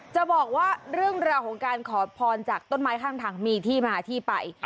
จะบอกว่าเรื่องราวของการขอพรจากต้นไม้ข้างทางมีที่มาที่ไป